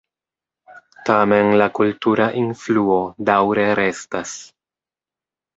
Tamen, la kultura influo daŭre restas.